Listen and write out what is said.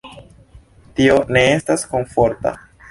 Tio ne estas komforta.